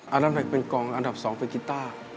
อันดับแรกเป็นกองอันดับสองเป็นกิตต้า